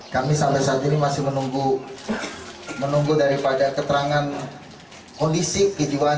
kami sampai saat ini masih menunggu daripada keterangan kondisi kejiwaan